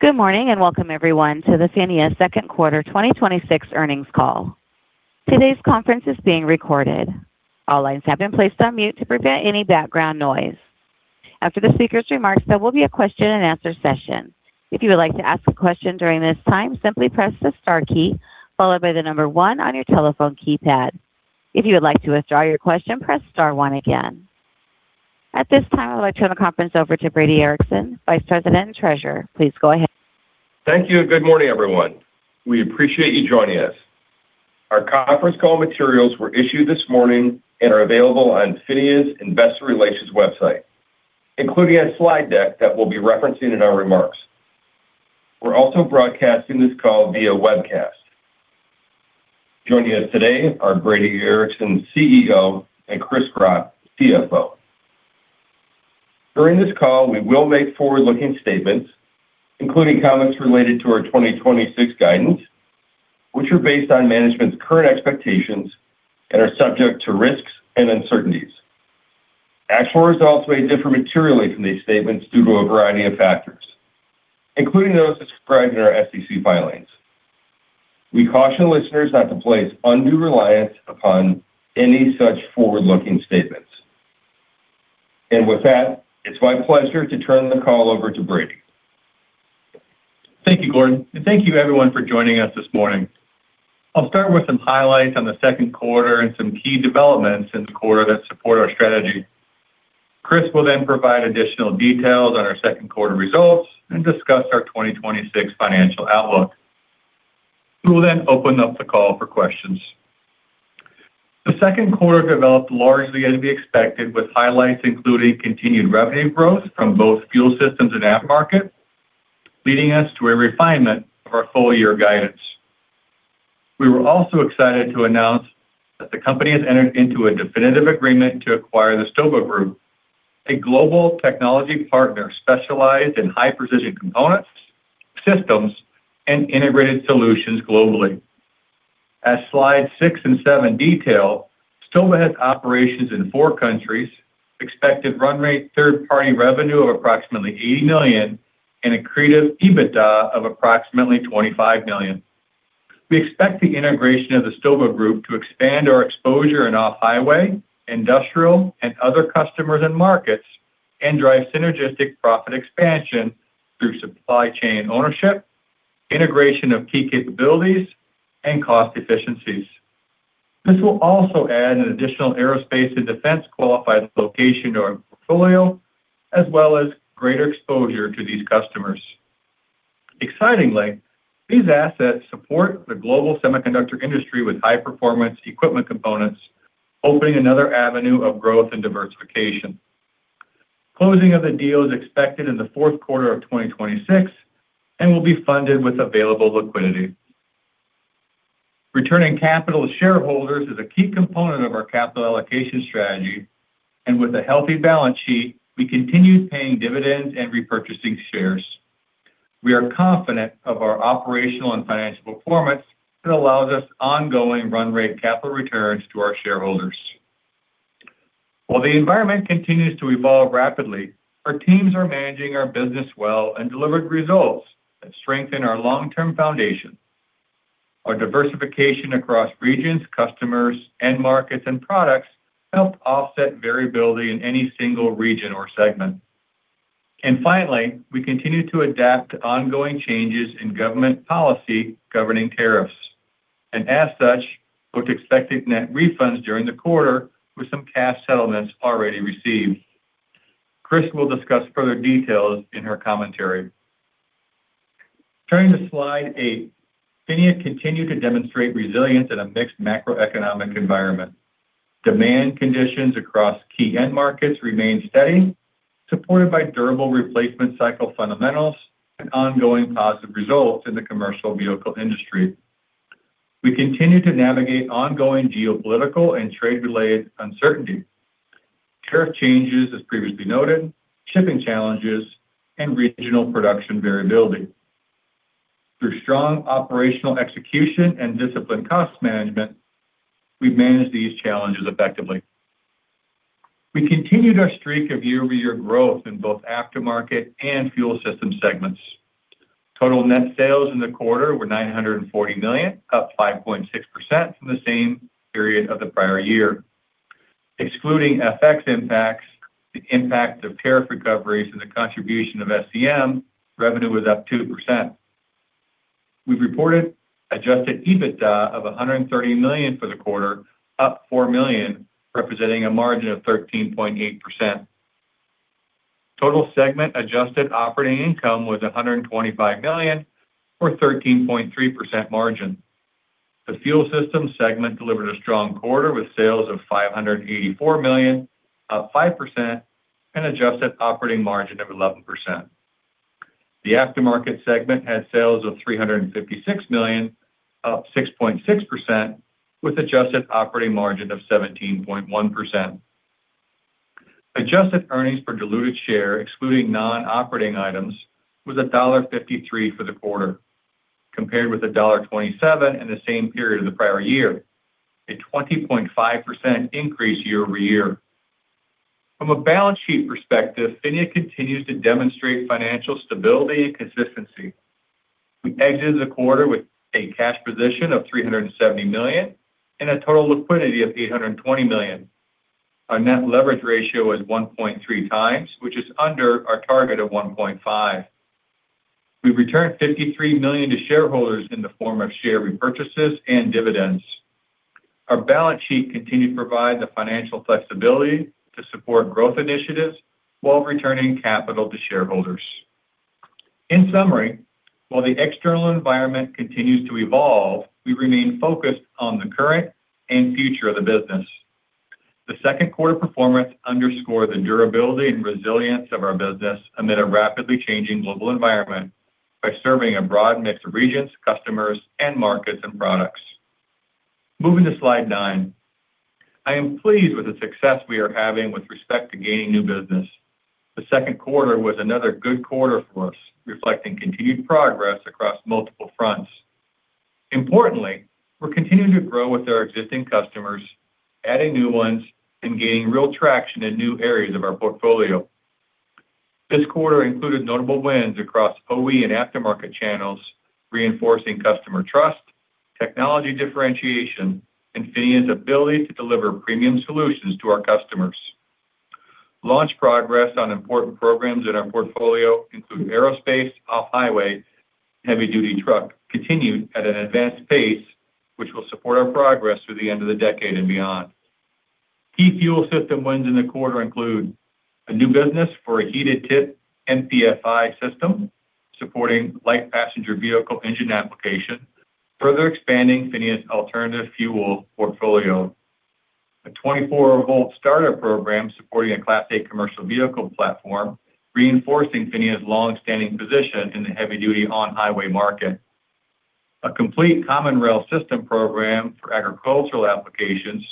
Good morning, and welcome everyone to the PHINIA second quarter 2026 earnings call. Today's conference is being recorded. All lines have been placed on mute to prevent any background noise. After the speaker's remarks, there will be a question and answer session. If you would like to ask a question during this time, simply press the star key followed by the number one on your telephone keypad. If you would like to withdraw your question, press star one again. At this time, I would like to turn the conference over to Brady Ericson, Vice President and Treasurer. Please go ahead. Thank you. Good morning, everyone. We appreciate you joining us. Our conference call materials were issued this morning and are available on PHINIA's investor relations website, including a slide deck that we'll be referencing in our remarks. We're also broadcasting this call via webcast. Joining us today are Brady Ericson, CEO, and Chris Gropp, CFO. During this call, we will make forward-looking statements, including comments related to our 2026 guidance, which are based on management's current expectations and are subject to risks and uncertainties. Actual results may differ materially from these statements due to a variety of factors, including those described in our SEC filings. We caution listeners not to place undue reliance upon any such forward-looking statements. With that, it's my pleasure to turn the call over to Brady. Thank you, Gordon. Thank you, everyone, for joining us this morning. I'll start with some highlights on the second quarter and some key developments in the quarter that support our strategy. Chris will then provide additional details on our second quarter results and discuss our 2026 financial outlook. We will then open up the call for questions. The second quarter developed largely as we expected, with highlights including continued revenue growth from both fuel systems and aftermarket, leading us to a refinement of our full-year guidance. We were also excited to announce that the company has entered into a definitive agreement to acquire the stoba Group, a global technology partner specialized in high-precision components, systems, and integrated solutions globally. As slides six and seven detail, stoba has operations in four countries, expected run rate third-party revenue of approximately $80 million, and accretive EBITDA of approximately $25 million. We expect the integration of the stoba Group to expand our exposure in off-highway, industrial, and other customers and markets, and drive synergistic profit expansion through supply chain ownership, integration of key capabilities, and cost efficiencies. This will also add an additional aerospace and defense qualified location to our portfolio, as well as greater exposure to these customers. Excitingly, these assets support the global semiconductor industry with high-performance equipment components, opening another avenue of growth and diversification. Closing of the deal is expected in the fourth quarter of 2026 and will be funded with available liquidity. Returning capital to shareholders is a key component of our capital allocation strategy. With a healthy balance sheet, we continue paying dividends and repurchasing shares. We are confident of our operational and financial performance that allows us ongoing run rate capital returns to our shareholders. While the environment continues to evolve rapidly, our teams are managing our business well and delivered results that strengthen our long-term foundation. Our diversification across regions, customers, end markets, and products helped offset variability in any single region or segment. Finally, we continue to adapt to ongoing changes in government policy governing tariffs. As such, book expected net refunds during the quarter with some cash settlements already received. Chris will discuss further details in her commentary. Turning to slide eight, PHINIA continued to demonstrate resilience in a mixed macroeconomic environment. Demand conditions across key end markets remained steady, supported by durable replacement cycle fundamentals and ongoing positive results in the commercial vehicle industry. We continue to navigate ongoing geopolitical and trade-related uncertainty, tariff changes as previously noted, shipping challenges, and regional production variability. Through strong operational execution and disciplined cost management, we've managed these challenges effectively. We continued our streak of year-over-year growth in both aftermarket and fuel system segments. Total net sales in the quarter were $940 million, up 5.6% from the same period of the prior year. Excluding FX impacts, the impact of tariff recoveries, and the contribution of SEM, revenue was up 2%. We've reported adjusted EBITDA of $130 million for the quarter, up $4 million, representing a margin of 13.8%. Total segment adjusted operating income was $125 million, or 13.3% margin. The fuel system segment delivered a strong quarter with sales of $584 million, up 5%, and adjusted operating margin of 11%. The aftermarket segment had sales of $356 million, up 6.6%, with adjusted operating margin of 17.1%. Adjusted earnings per diluted share, excluding non-operating items, was $1.53 for the quarter, compared with $1.27 in the same period of the prior year, a 20.5% increase year-over-year. From a balance sheet perspective, PHINIA continues to demonstrate financial stability and consistency. We exited the quarter with a cash position of $370 million and a total liquidity of $820 million. Our net leverage ratio is 1.3x, which is under our target of 1.5. We returned $53 million to shareholders in the form of share repurchases and dividends. Our balance sheet continued to provide the financial flexibility to support growth initiatives while returning capital to shareholders. In summary, while the external environment continues to evolve, we remain focused on the current and future of the business. The second quarter performance underscore the durability and resilience of our business amid a rapidly changing global environment by serving a broad mix of regions, customers, end markets and products. Moving to slide nine. I am pleased with the success we are having with respect to gaining new business. The second quarter was another good quarter for us, reflecting continued progress across multiple fronts. Importantly, we're continuing to grow with our existing customers, adding new ones, and gaining real traction in new areas of our portfolio. This quarter included notable wins across OE and aftermarket channels, reinforcing customer trust, technology differentiation, and PHINIA's ability to deliver premium solutions to our customers. Launch progress on important programs in our portfolio include aerospace, off-highway, heavy-duty truck continued at an advanced pace, which will support our progress through the end of the decade and beyond. Key fuel system wins in the quarter include a new business for a heated tip MPFI system supporting light passenger vehicle engine applications, further expanding PHINIA's alternative fuel portfolio. A 24 V starter program supporting a Class 8 commercial vehicle platform, reinforcing PHINIA's long-standing position in the heavy-duty on-highway market. A complete common rail system program for agricultural applications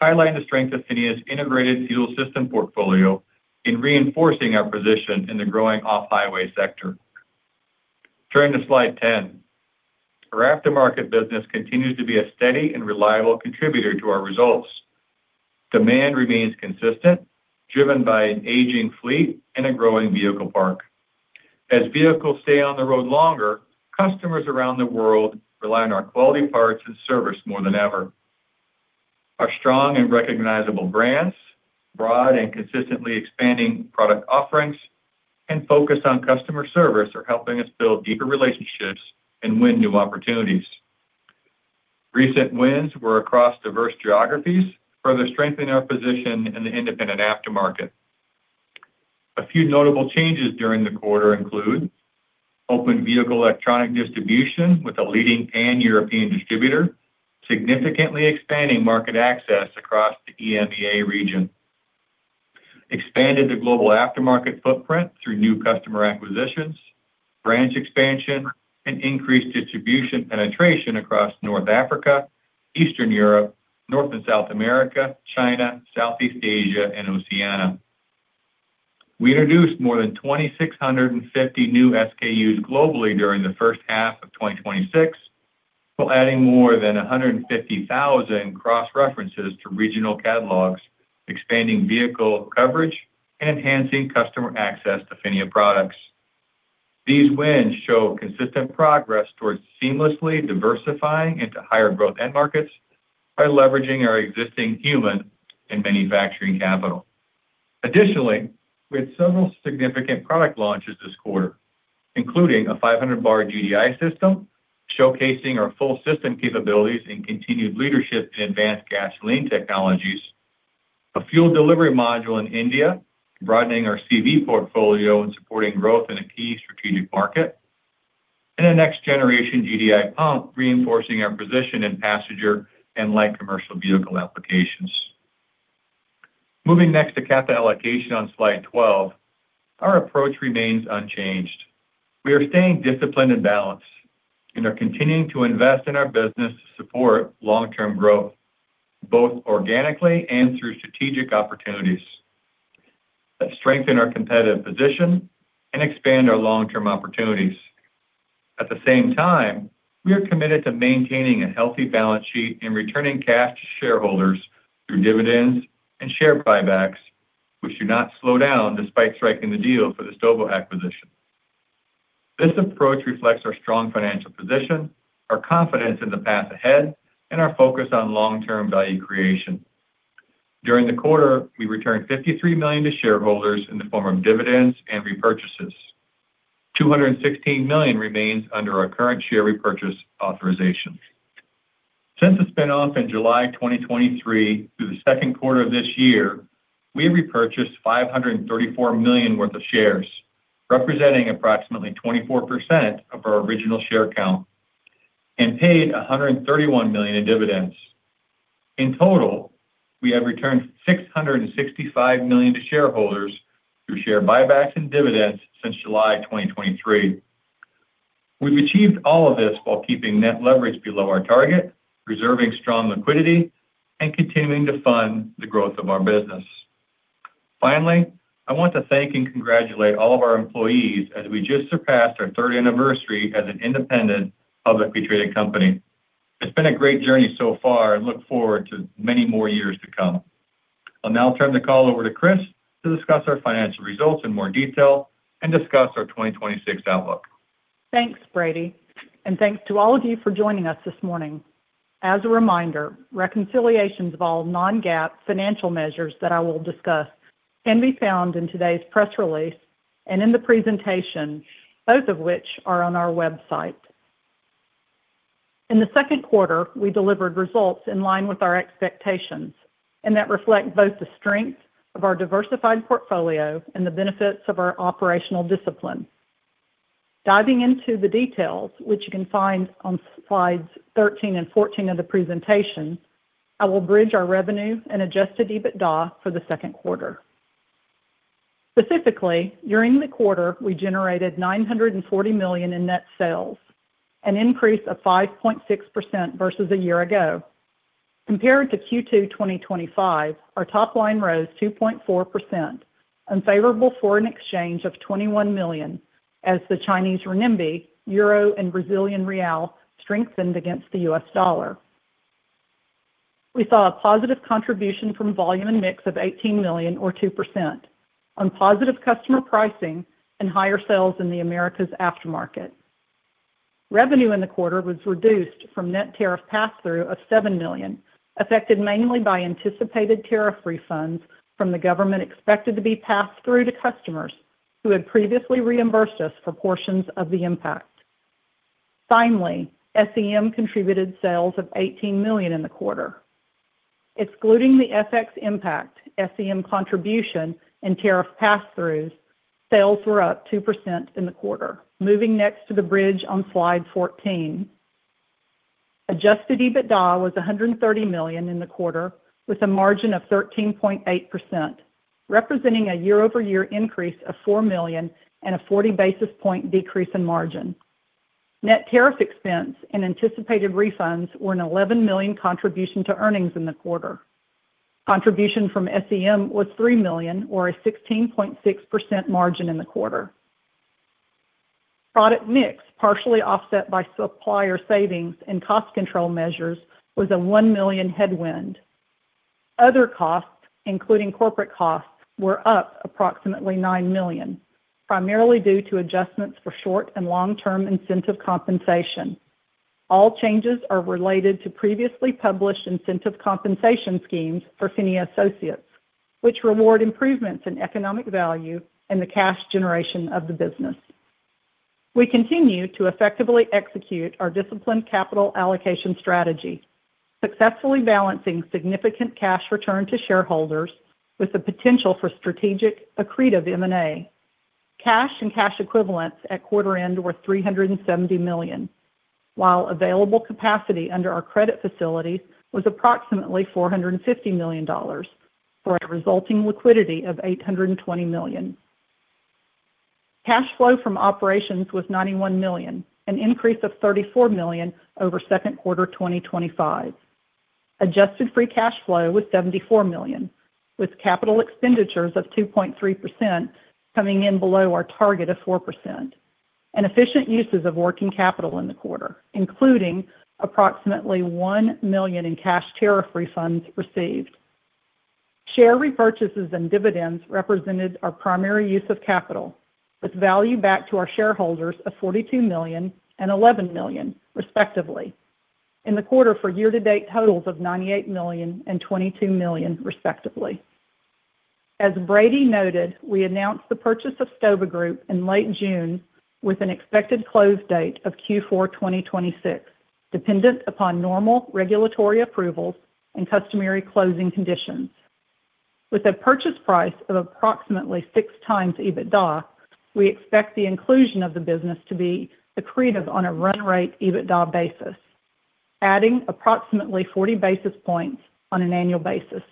highlight the strength of PHINIA's integrated fuel system portfolio in reinforcing our position in the growing off-highway sector. Turning to slide 10. Our aftermarket business continues to be a steady and reliable contributor to our results. Demand remains consistent, driven by an aging fleet and a growing vehicle park. As vehicles stay on the road longer, customers around the world rely on our quality parts and service more than ever. Our strong and recognizable brands, broad and consistently expanding product offerings, and focus on customer service are helping us build deeper relationships and win new opportunities. Recent wins were across diverse geographies, further strengthening our position in the independent aftermarket. A few notable changes during the quarter include open vehicle electronic distribution with a leading Pan-European distributor, significantly expanding market access across the EMEA region. Expanded the global aftermarket footprint through new customer acquisitions, branch expansion, and increased distribution penetration across North Africa, Eastern Europe, North and South America, China, Southeast Asia, and Oceania. We introduced more than 2,650 new SKUs globally during the first half of 2026, while adding more than 150,000 cross-references to regional catalogs, expanding vehicle coverage, and enhancing customer access to PHINIA products. These wins show consistent progress towards seamlessly diversifying into higher growth end markets by leveraging our existing human and manufacturing capital. Additionally, we had several significant product launches this quarter, including a 500 bar GDI system, showcasing our full system capabilities and continued leadership in advanced gasoline technologies. A fuel delivery module in India, broadening our CV portfolio and supporting growth in a key strategic market. A next generation GDI pump, reinforcing our position in passenger and light commercial vehicle applications. Moving next to capital allocation on slide 12, our approach remains unchanged. We are staying disciplined and balanced and are continuing to invest in our business to support long-term growth, both organically and through strategic opportunities that strengthen our competitive position and expand our long-term opportunities. At the same time, we are committed to maintaining a healthy balance sheet and returning cash to shareholders through dividends and share buybacks, which do not slow down despite striking the deal for the stoba acquisition. This approach reflects our strong financial position, our confidence in the path ahead, and our focus on long-term value creation. During the quarter, we returned $53 million to shareholders in the form of dividends and repurchases. $216 million remains under our current share repurchase authorization. Since the spin-off in July 2023 through the second quarter of this year, we have repurchased $534 million worth of shares, representing approximately 24% of our original share count, and paid $131 million in dividends. In total, we have returned $665 million to shareholders through share buybacks and dividends since July 2023. We've achieved all of this while keeping net leverage below our target, preserving strong liquidity and continuing to fund the growth of our business. Finally, I want to thank and congratulate all of our employees as we just surpassed our third anniversary as an independent, publicly traded company. It's been a great journey so far and look forward to many more years to come. I'll now turn the call over to Chris to discuss our financial results in more detail and discuss our 2026 outlook. Thanks, Brady, and thanks to all of you for joining us this morning. As a reminder, reconciliations of all non-GAAP financial measures that I will discuss can be found in today's press release and in the presentation, both of which are on our website. In the second quarter, we delivered results in line with our expectations, that reflect both the strength of our diversified portfolio and the benefits of our operational discipline. Diving into the details, which you can find on slides 13 and 14 of the presentation, I will bridge our revenue and adjusted EBITDA for the second quarter. Specifically, during the quarter, we generated $940 million in net sales, an increase of 5.6% versus a year ago. Compared to Q2 2025, our top line rose 2.4%, unfavorable foreign exchange of $21 million as the Chinese renminbi, euro, and Brazilian real strengthened against the US dollar. We saw a positive contribution from volume and mix of $18 million, or 2%, on positive customer pricing and higher sales in the Americas aftermarket. Revenue in the quarter was reduced from net tariff pass-through of $7 million, affected mainly by anticipated tariff refunds from the government expected to be passed through to customers who had previously reimbursed us for portions of the impact. Finally, SEM contributed sales of $18 million in the quarter. Excluding the FX impact, SEM contribution, and tariff pass-throughs, sales were up 2% in the quarter. Moving next to the bridge on slide 14. Adjusted EBITDA was $130 million in the quarter, with a margin of 13.8%, representing a year-over-year increase of $4 million and a 40 basis point decrease in margin. Net tariff expense and anticipated refunds were an $11 million contribution to earnings in the quarter. Contribution from SEM was $3 million, or a 16.6% margin in the quarter. Product mix, partially offset by supplier savings and cost control measures, was a $1 million headwind. Other costs, including corporate costs, were up approximately $9 million, primarily due to adjustments for short and long-term incentive compensation. All changes are related to previously published incentive compensation schemes for PHINIA associates, which reward improvements in economic value and the cash generation of the business. We continue to effectively execute our disciplined capital allocation strategy, successfully balancing significant cash return to shareholders with the potential for strategic accretive M&A. Cash and cash equivalents at quarter-end were $370 million, while available capacity under our credit facilities was approximately $450 million for a resulting liquidity of $820 million. Cash flow from operations was $91 million, an increase of $34 million over second quarter 2025. Adjusted free cash flow was $74 million, with capital expenditures of 2.3% coming in below our target of 4%, and efficient uses of working capital in the quarter, including approximately $1 million in cash tariff refunds received. Share repurchases and dividends represented our primary use of capital, with value back to our shareholders of $42 million and $11 million, respectively, in the quarter for year-to-date totals of $98 million and $22 million, respectively. As Brady noted, we announced the purchase of stoba Group in late June with an expected close date of Q4 2026, dependent upon normal regulatory approvals and customary closing conditions. With a purchase price of approximately six times EBITDA, we expect the inclusion of the business to be accretive on a run-rate EBITDA basis, adding approximately 40 basis points on an annual basis.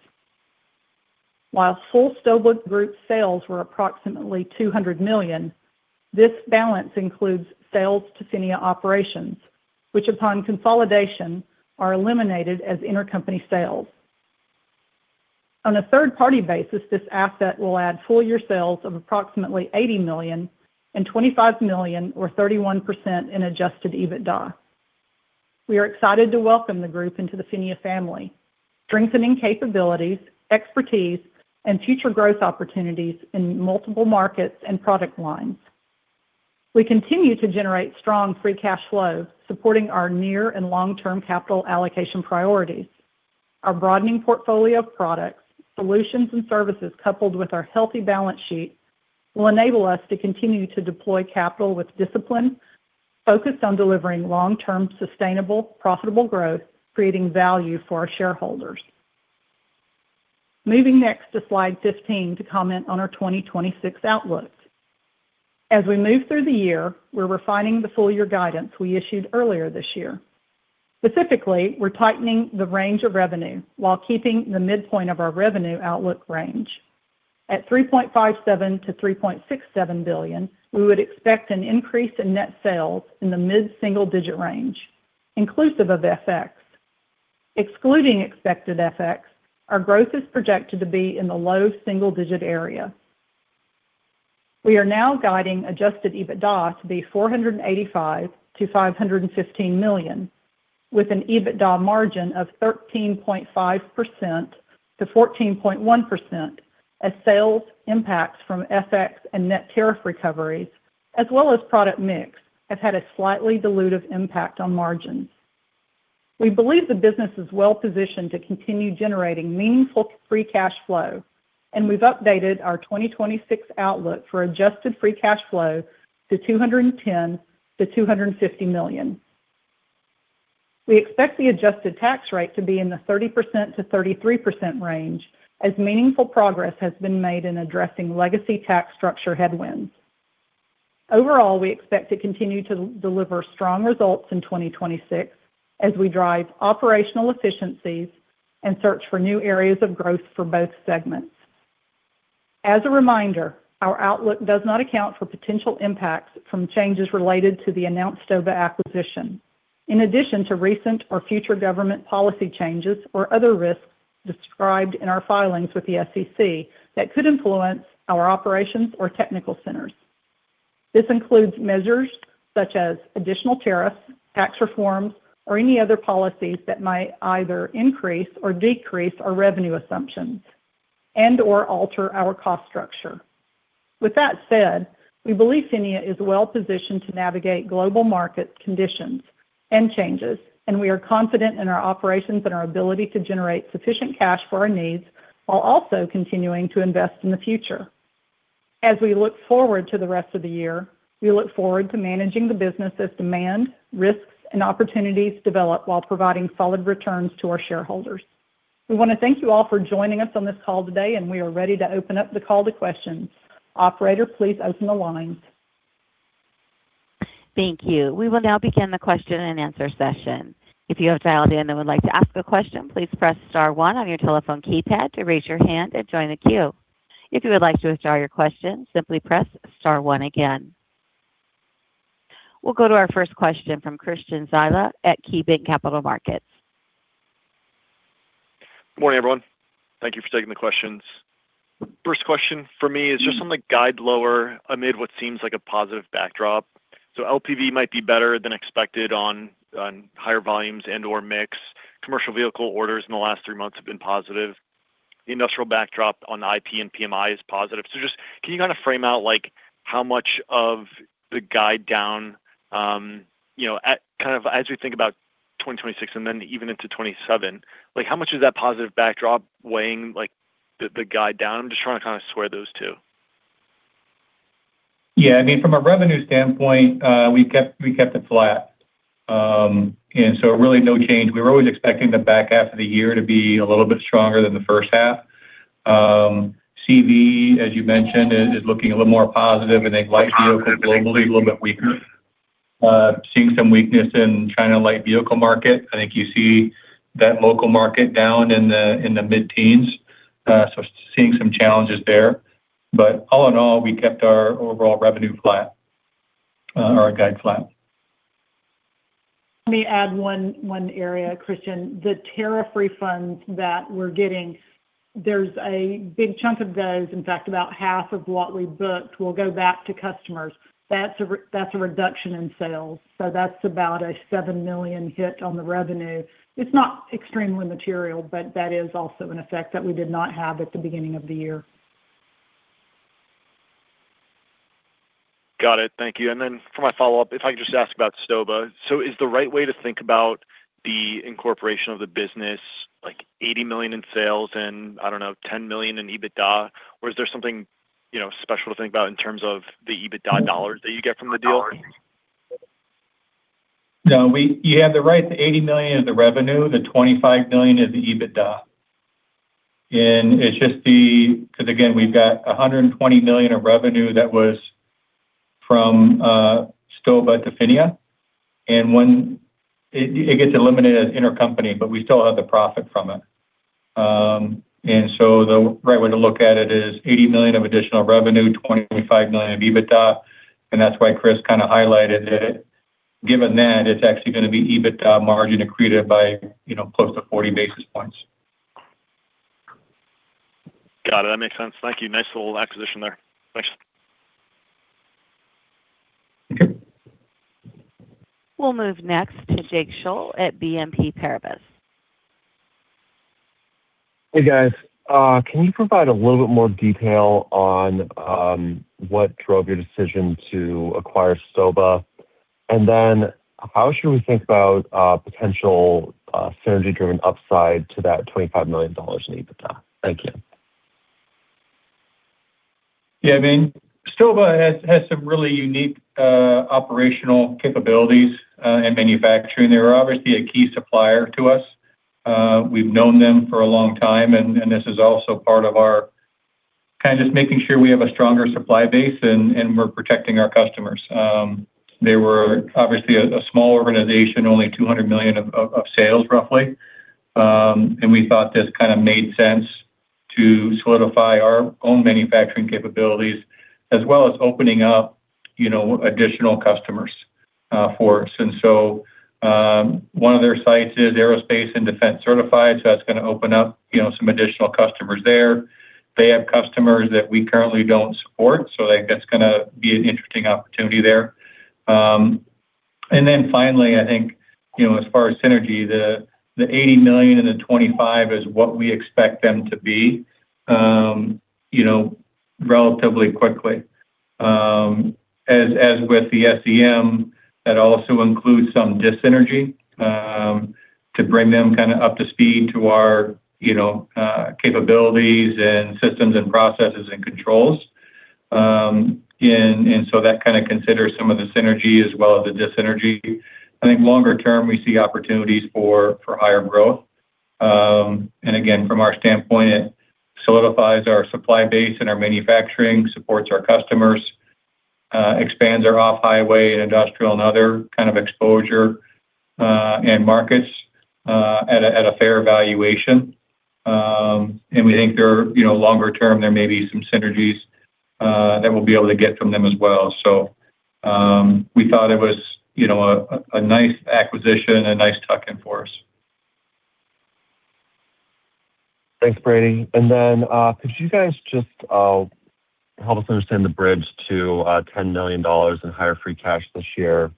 While full stoba Group sales were approximately $200 million, this balance includes sales to PHINIA operations, which upon consolidation are eliminated as intercompany sales. On a third-party basis, this asset will add full-year sales of approximately $80 million and $25 million or 31% in adjusted EBITDA. We are excited to welcome the group into the PHINIA family, strengthening capabilities, expertise, and future growth opportunities in multiple markets and product lines. We continue to generate strong free cash flow, supporting our near and long-term capital allocation priorities. Our broadening portfolio of products, solutions, and services, coupled with our healthy balance sheet, will enable us to continue to deploy capital with discipline focused on delivering long-term, sustainable, profitable growth, creating value for our shareholders. Moving next to slide 15 to comment on our 2026 outlook. As we move through the year, we're refining the full-year guidance we issued earlier this year. Specifically, we're tightening the range of revenue while keeping the midpoint of our revenue outlook range. At $3.57 billion-$3.67 billion, we would expect an increase in net sales in the mid-single digit range, inclusive of FX. Excluding expected FX, our growth is projected to be in the low single digit area. We are now guiding adjusted EBITDA to be $485 million-$515 million, with an EBITDA margin of 13.5%-14.1%, as sales impacts from FX and net tariff recoveries, as well as product mix, have had a slightly dilutive impact on margins. We believe the business is well positioned to continue generating meaningful free cash flow, and we've updated our 2026 outlook for adjusted free cash flow to $210 million-$250 million. We expect the adjusted tax rate to be in the 30%-33% range, as meaningful progress has been made in addressing legacy tax structure headwinds. Overall, we expect to continue to deliver strong results in 2026 as we drive operational efficiencies and search for new areas of growth for both segments. As a reminder, our outlook does not account for potential impacts from changes related to the announced stoba acquisition. In addition to recent or future government policy changes, or other risks described in our filings with the SEC that could influence our operations or technical centers. This includes measures such as additional tariffs, tax reforms, or any other policies that might either increase or decrease our revenue assumptions and/or alter our cost structure. With that said, we believe PHINIA is well positioned to navigate global market conditions and changes, and we are confident in our operations and our ability to generate sufficient cash for our needs, while also continuing to invest in the future. As we look forward to the rest of the year, we look forward to managing the business as demand, risks, and opportunities develop while providing solid returns to our shareholders. We want to thank you all for joining us on this call today, and we are ready to open up the call to questions. Operator, please open the lines. Thank you. We will now begin the question and answer session. If you have dialed in and would like to ask a question, please press star one on your telephone keypad to raise your hand and join the queue. If you would like to withdraw your question, simply press star one again. We'll go to our first question from Christian Zyla at KeyBanc Capital Markets. Morning, everyone. Thank you for taking the questions. First question from me is just on the guide lower amid what seems like a positive backdrop. LPV might be better than expected on higher volumes and/or mix. Commercial vehicle orders in the last three months have been positive. The industrial backdrop on IP and PMI is positive. Just can you frame out how much of the guide down, as we think about 2026 and then even into 2027, how much is that positive backdrop weighing the guide down? I'm just trying to square those two. Yeah. From a revenue standpoint, we kept it flat. Really no change. We were always expecting the back half of the year to be a little bit stronger than the first half. CV, as you mentioned, is looking a little more positive in light vehicles globally, a little bit weaker. Seeing some weakness in China light vehicle market. I think you see that local market down in the mid-teens. Seeing some challenges there. All in all, we kept our overall revenue flat, our guide flat. Let me add one area, Christian. The tariff refunds that we're getting, there's a big chunk of those, in fact, about half of what we booked will go back to customers. That's a reduction in sales. That's about a $7 million hit on the revenue. It's not extremely material, but that is also an effect that we did not have at the beginning of the year. Got it. Thank you. For my follow-up, if I could just ask about stoba. Is the right way to think about the incorporation of the business, $80 million in sales and, I don't know, $10 million in EBITDA? Is there something special to think about in terms of the EBITDA dollars that you get from the deal? No. You have the right, the $80 million is the revenue, the $25 million is the EBITDA. Again, we've got $120 million of revenue that was from stoba to PHINIA, it gets eliminated as intercompany, but we still have the profit from it. The right way to look at it is $80 million of additional revenue, $25 million of EBITDA, that's why Chris highlighted that given that, it's actually going to be EBITDA margin accretive by close to 40 basis points. Got it. That makes sense. Thank you. Nice little acquisition there. Thanks. We'll move next to Jake Scholl at BNP Paribas. Hey, guys. Can you provide a little bit more detail on what drove your decision to acquire stoba? How should we think about potential synergy-driven upside to that $25 million in EBITDA? Thank you. Yeah. stoba has some really unique operational capabilities in manufacturing. They were obviously a key supplier to us. We've known them for a long time, this is also part of our just making sure we have a stronger supply base and we're protecting our customers. They were obviously a small organization, only $200 million of sales, roughly. We thought this made sense to solidify our own manufacturing capabilities as well as opening up additional customers for us. One of their sites is aerospace and defense certified, so that's going to open up some additional customers there. They have customers that we currently don't support, so that's going to be an interesting opportunity there. Finally, I think, as far as synergy, the $80 million and the $25 million is what we expect them to be relatively quickly. As with the SEM, that also includes some dis-synergy to bring them up to speed to our capabilities and systems and processes and controls. That kind of considers some of the synergy as well as the dis-synergy. I think longer term, we see opportunities for higher growth. Again, from our standpoint, it solidifies our supply base and our manufacturing, supports our customers, expands our off-highway and industrial and other kind of exposure and markets at a fair valuation. We think longer term, there may be some synergies that we'll be able to get from them as well. We thought it was a nice acquisition, a nice tuck-in for us. Thanks, Brady. Could you guys just help us understand the bridge to $10 million in higher free cash this year?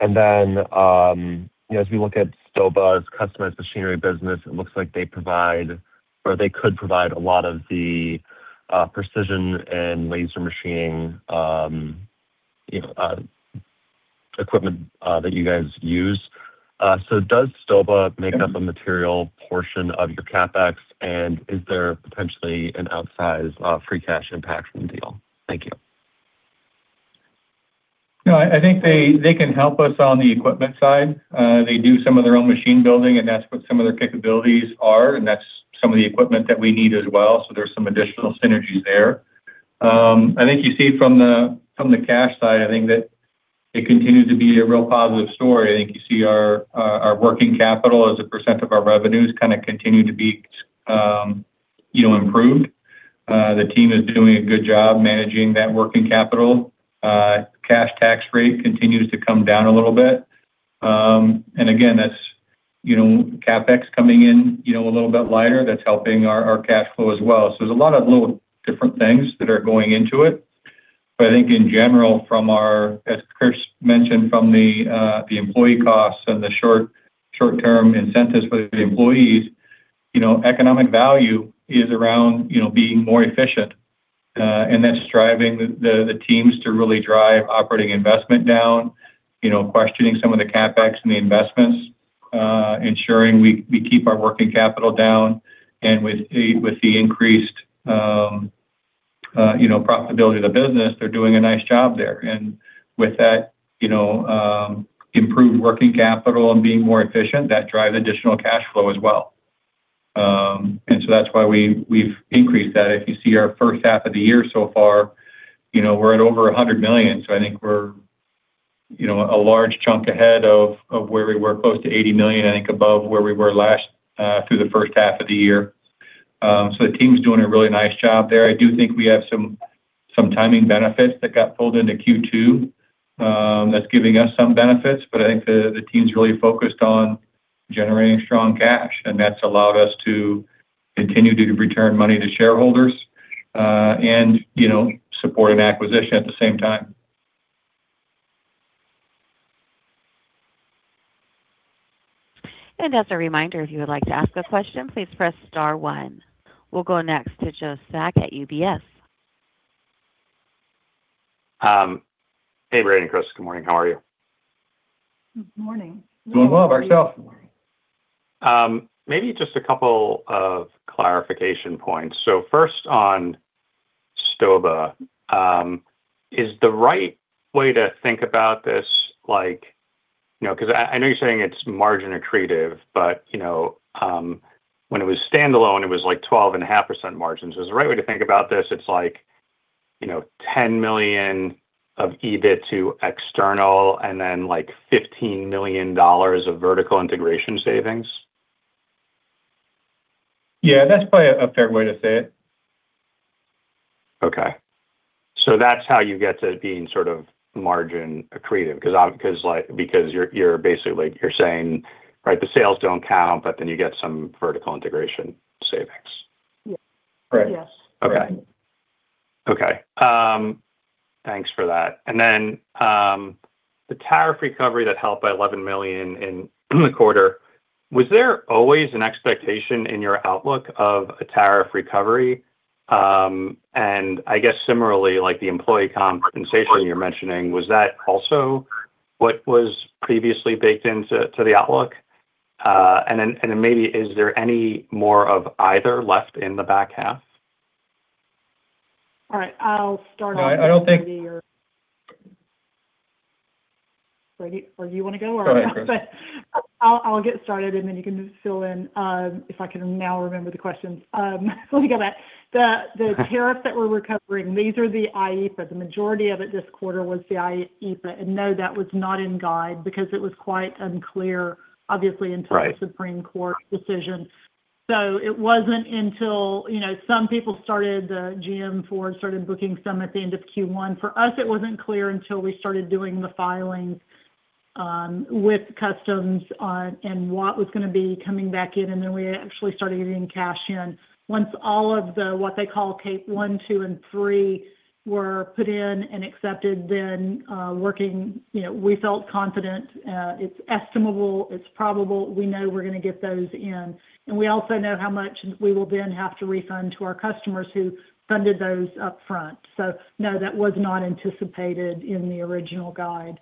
As we look at stoba's customized machinery business, it looks like they provide, or they could provide a lot of the precision and laser machining equipment that you guys use. Does stoba make up a material portion of your CapEx? Is there potentially an outsized free cash impact from the deal? Thank you. I think they can help us on the equipment side. They do some of their own machine building, and that's what some of their capabilities are, and that's some of the equipment that we need as well. There's some additional synergies there. I think you see from the cash side, that it continues to be a real positive story. I think you see our working capital as a percent of our revenues kind of continue to be improved. The team is doing a good job managing that working capital. Cash tax rate continues to come down a little bit. Again, that's CapEx coming in a little bit lighter. That's helping our cash flow as well. There's a lot of little different things that are going into it. I think in general, as Chris mentioned, from the employee costs and the short-term incentives for the employees, economic value is around being more efficient. That's driving the teams to really drive operating investment down, questioning some of the CapEx and the investments, ensuring we keep our working capital down. With the increased profitability of the business, they're doing a nice job there. With that improved working capital and being more efficient, that drives additional cash flow as well. That's why we've increased that. If you see our first half of the year so far, we're at over $100 million. I think we're a large chunk ahead of where we were, close to $80 million, I think above where we were last through the first half of the year. The team's doing a really nice job there. I do think we have some timing benefits that got pulled into Q2 that's giving us some benefits. I think the team's really focused on generating strong cash, that's allowed us to continue to return money to shareholders and support an acquisition at the same time. As a reminder, if you would like to ask a question, please press star one. We'll go next to Joe Spak at UBS. Hey, Brady and Chris. Good morning. How are you? Good morning. Well, ourselves. Maybe just a couple of clarification points. First on stoba. Is the right way to think about this, I know you're saying it's margin accretive, but when it was standalone, it was like 12.5% margins? Is the right way to think about this it's like $10 million of EBIT to external and then like $15 million of vertical integration savings? Yeah, that's probably a fair way to say it. Okay. That's how you get to it being sort of margin accretive. You're basically you're saying, right, the sales don't count, but then you get some vertical integration savings. Yeah. Correct. Yes. Okay. Thanks for that. Then the tariff recovery that helped by $11 million in the quarter, was there always an expectation in your outlook of a tariff recovery? I guess similarly, like the employee compensation you're mentioning, was that also what was previously baked into the outlook? Then maybe is there any more of either left in the back half? All right. I'll start off- No, I don't. Brady, or you want to go? No. Go ahead, Chris. I'll get started, then you can just fill in if I can now remember the questions. Let me go back. The tariff that we're recovering, these are the IEEPA. The majority of it this quarter was the IEEPA. No, that was not in guide because it was quite unclear. Right until the Supreme Court decision. It wasn't until some people started, GM Ford started booking some at the end of Q1. For us, it wasn't clear until we started doing the filings with customs and what was going to be coming back in, and then we actually started getting cash in. Once all of the, what they call Scope 1, 2, and 3 were put in and accepted, then working, we felt confident. It's estimable. It's probable. We know we're going to get those in. We also know how much we will then have to refund to our customers who funded those upfront. No, that was not anticipated in the original guide.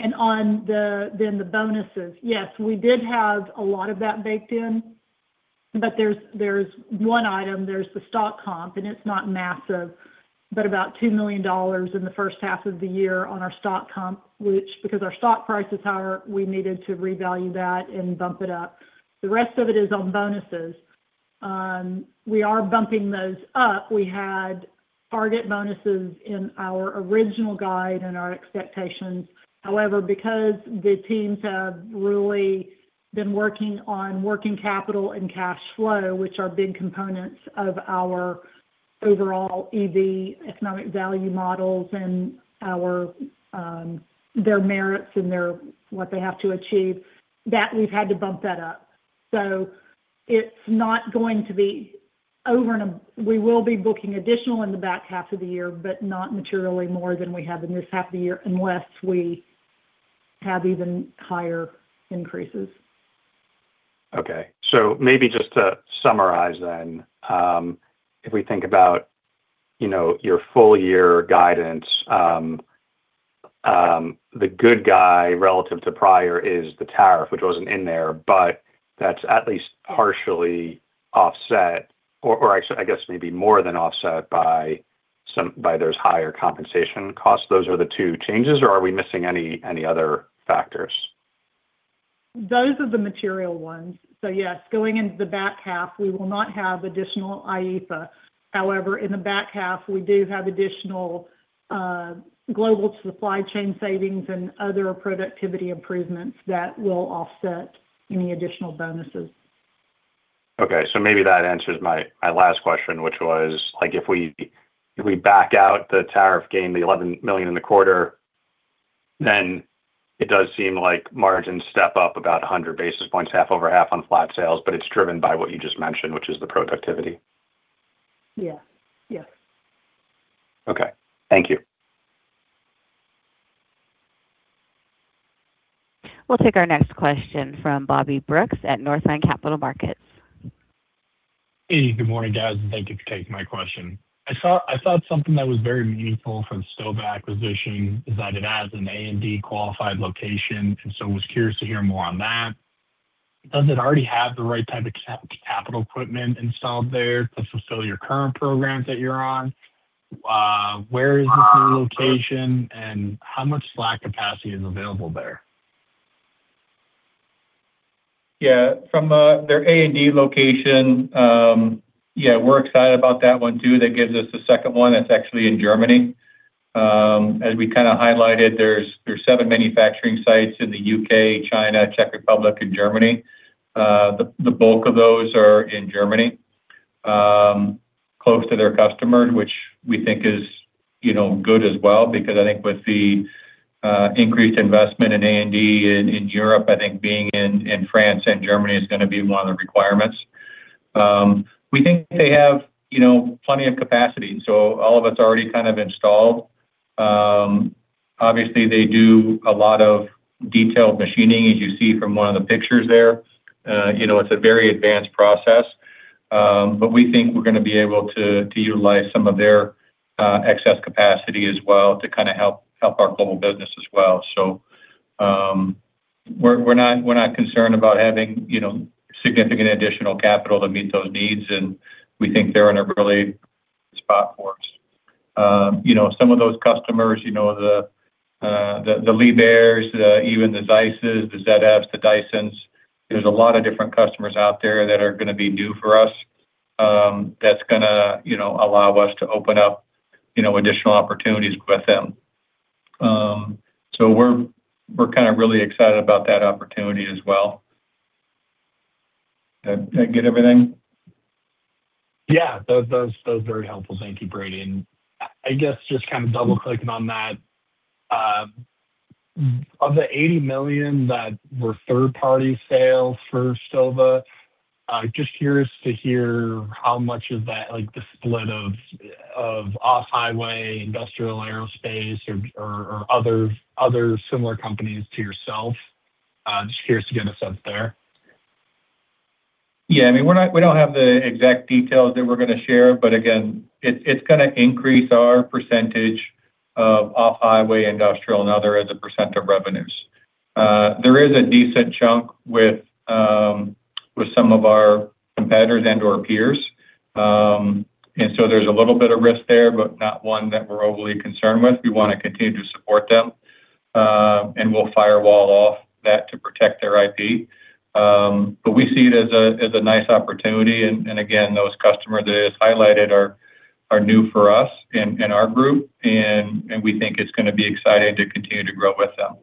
On then the bonuses. Yes, we did have a lot of that baked in. There's one item, there's the stock comp. It's not massive, but about $2 million in the first half of the year on our stock comp, which because our stock prices are, we needed to revalue that and bump it up. The rest of it is on bonuses. We are bumping those up. We had target bonuses in our original guide and our expectations. However, because the teams have really been working on working capital and cash flow, which are big components of our overall EV economic value models and their merits and what they have to achieve, that we've had to bump that up. It's not going to be over. We will be booking additional in the back half of the year, not materially more than we have in this half of the year, unless we have even higher increases. Okay. Maybe just to summarize then, if we think about your full year guidance, the good guy relative to prior is the tariff, which wasn't in there, that's at least partially offset or actually, I guess, maybe more than offset by those higher compensation costs. Those are the two changes, or are we missing any other factors? Those are the material ones. Yes, going into the back half, we will not have additional IEEPA. However, in the back half, we do have additional global supply chain savings and other productivity improvements that will offset any additional bonuses. Okay. Maybe that answers my last question, which was if we back out the tariff gain, the $11 million in the quarter, then it does seem like margins step up about 100 basis points, half over half on flat sales, it's driven by what you just mentioned, which is the productivity. Yeah. Yes. Okay. Thank you. We'll take our next question from Bobby Brooks at Northland Capital Markets. Hey, good morning, guys. Thank you for taking my question. I thought something that was very meaningful from the stoba acquisition is that it has an A&D qualified location, was curious to hear more on that. Does it already have the right type of capital equipment installed there to fulfill your current programs that you're on? Where is this new location, and how much slack capacity is available there? Yeah. From their A&D location, we're excited about that one, too. That gives us a second one that's actually in Germany. As we kind of highlighted, there's seven manufacturing sites in the U.K., China, Czech Republic, and Germany. The bulk of those are in Germany, close to their customers, which we think is good as well, because I think with the increased investment in A&D in Europe, I think being in France and Germany is going to be one of the requirements. We think they have plenty of capacity, all of it's already kind of installed. Obviously, they do a lot of detailed machining, as you see from one of the pictures there. It's a very advanced process, we think we're going to be able to utilize some of their excess capacity as well to kind of help our global business as well. We're not concerned about having significant additional capital to meet those needs, we think they're in a really spot for us. Some of those customers, the Liebherrs, even the Zeisses, the ZFs, the Dysons, there's a lot of different customers out there that are going to be new for us. That's going to allow us to open up additional opportunities with them. We're kind of really excited about that opportunity as well. Did that get everything? Yeah. That was very helpful. Thank you, Brady. I guess just kind of double-clicking on that. Of the $80 million that were third-party sales for stoba, just curious to hear how much of that, like the split of off-highway, industrial, aerospace, or other similar companies to yourself. Just curious to get a sense there. Yeah. We don't have the exact details that we're going to share. Again, it's going to increase our percentage of off-highway, industrial, and other as a percent of revenues. There is a decent chunk with some of our competitors and/or peers. There's a little bit of risk there, but not one that we're overly concerned with. We want to continue to support them, and we'll firewall off that to protect their IP. We see it as a nice opportunity. Again, those customers that I highlighted are new for us and our group, and we think it's going to be exciting to continue to grow with them.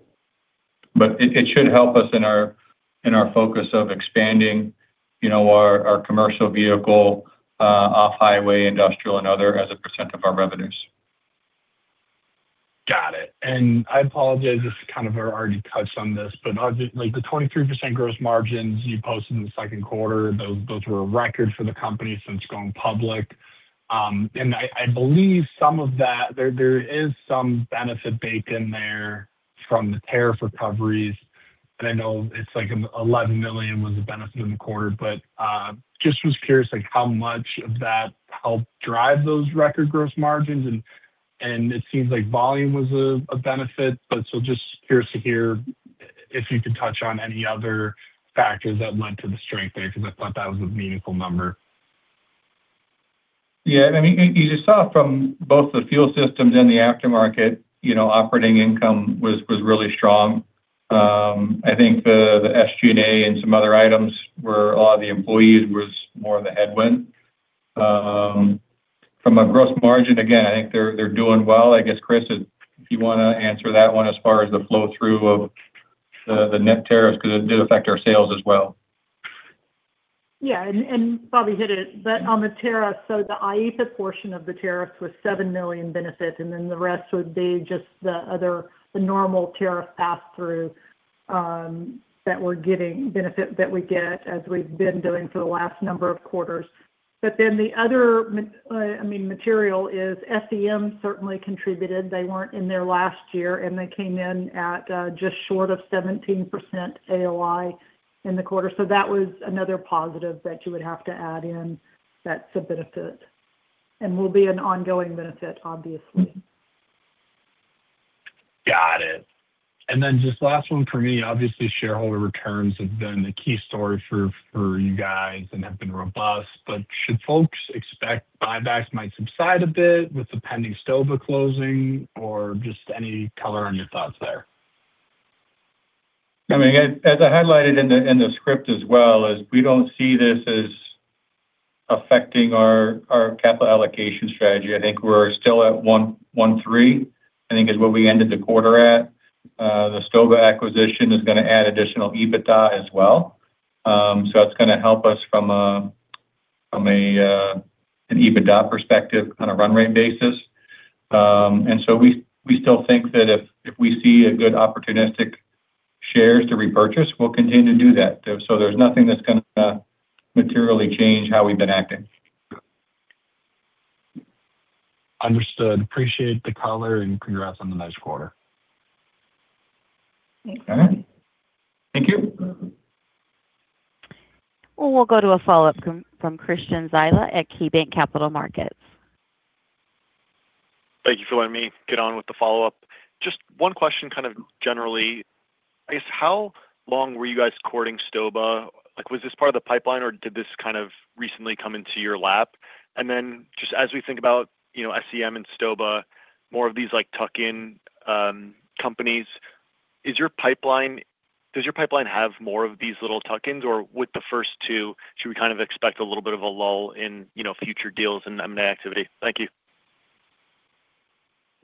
It should help us in our focus of expanding our commercial vehicle, off-highway, industrial, and other as a percent of our revenues. Got it. I apologize, this is kind of, I already touched on this. Largely the 23% gross margins you posted in the second quarter, those were a record for the company since going public. I believe some of that, there is some benefit baked in there from the tariff recoveries. I know it's like $11 million was a benefit in the quarter. Just was curious how much of that helped drive those record gross margins. It seems like volume was a benefit. Just curious to hear if you could touch on any other factors that led to the strength there, because I thought that was a meaningful number. Yeah. You just saw from both the fuel systems and the aftermarket, operating income was really strong. I think the SG&A and some other items, a lot of the employees was more of the headwind. From a gross margin, again, I think they're doing well. I guess, Chris, if you want to answer that one as far as the flow-through of the net tariffs, because it did affect our sales as well. Yeah, Bobby hit it. On the tariffs, the IEEPA portion of the tariffs was $7 million benefit, the rest would be just the other normal tariff pass-through that we're getting benefit that we get as we've been doing for the last number of quarters. The other material is SEM certainly contributed. They weren't in there last year, they came in at just short of 17% AOI in the quarter. That was another positive that you would have to add in that's a benefit and will be an ongoing benefit, obviously. Got it. Just last one from me. Obviously, shareholder returns have been a key story for you guys and have been robust, should folks expect buybacks might subside a bit with the pending stoba closing, or just any color on your thoughts there? As I highlighted in the script as well, we don't see this as affecting our capital allocation strategy. I think we're still at 13, I think is where we ended the quarter at. The stoba acquisition is going to add additional EBITDA as well. That's going to help us from an EBITDA perspective on a run-rate basis. We still think that if we see a good opportunistic shares to repurchase, we'll continue to do that. There's nothing that's going to materially change how we've been acting. Understood. Appreciate the color, congrats on the nice quarter. Thanks. All right. Thank you. We'll go to a follow-up from Christian Zyla at KeyBanc Capital Markets. Thank you for letting me get on with the follow-up. Just one question kind of generally, I guess, how long were you guys courting stoba? Was this part of the pipeline, or did this kind of recently come into your lap? Just as we think about SEM and stoba, more of these tuck-in companies, does your pipeline have more of these little tuck-ins, or with the first two, should we kind of expect a little bit of a lull in future deals and M&A activity? Thank you.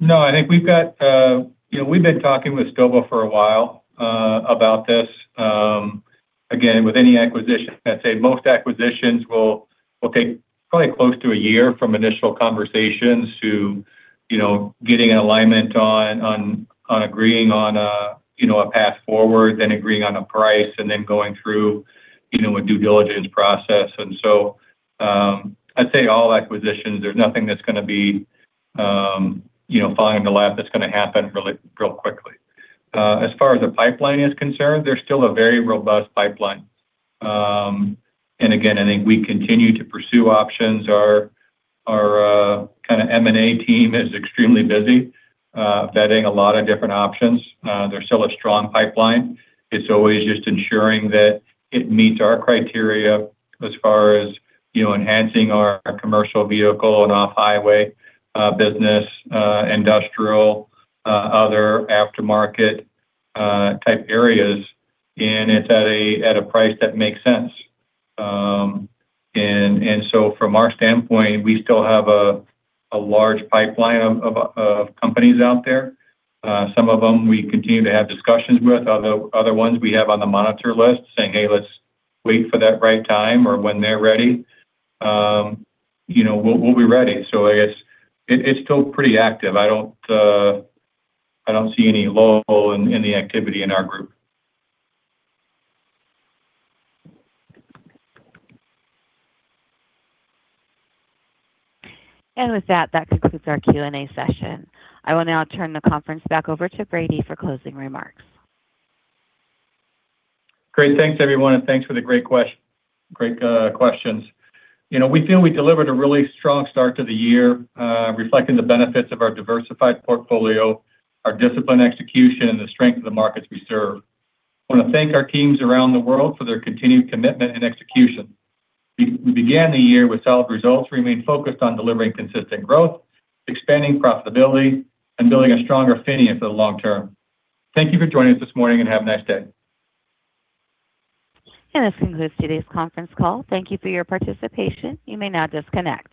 I think we've been talking with stoba for a while about this. With any acquisition, I'd say most acquisitions will take probably close to a year from initial conversations to getting an alignment on agreeing on a path forward, then agreeing on a price, and then going through a due diligence process. I'd say all acquisitions, there's nothing that's going to be falling in the lap that's going to happen real quickly. As far as the pipeline is concerned, there's still a very robust pipeline. I think we continue to pursue options. Our kind of M&A team is extremely busy vetting a lot of different options. There's still a strong pipeline. It's always just ensuring that it meets our criteria as far as enhancing our commercial vehicle and off-highway business, industrial, other aftermarket type areas, and it's at a price that makes sense. From our standpoint, we still have a large pipeline of companies out there. Some of them we continue to have discussions with. Other ones we have on the monitor list saying, "Hey, let's wait for that right time or when they're ready. We'll be ready." I guess it's still pretty active. I don't see any lull in the activity in our group. With that concludes our Q&A session. I will now turn the conference back over to Brady for closing remarks. Great. Thanks, everyone, and thanks for the great questions. We feel we delivered a really strong start to the year, reflecting the benefits of our diversified portfolio, our disciplined execution, and the strength of the markets we serve. I want to thank our teams around the world for their continued commitment and execution. We began the year with solid results, remain focused on delivering consistent growth, expanding profitability, and building a stronger PHINIA for the long term. Thank you for joining us this morning, and have a nice day. This concludes today's conference call. Thank you for your participation. You may now disconnect.